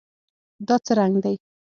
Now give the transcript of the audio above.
دا څه رنګ دی؟